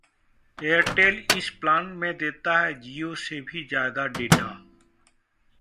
Airtel इस plan में देता है जियो से भी ज्यादा डेटा